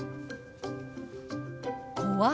「怖い」。